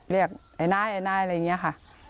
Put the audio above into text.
เรียกไอ้นายไอ้นายอะไรอย่างนี้ค่ะ